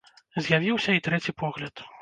З'явіўся і трэці погляд.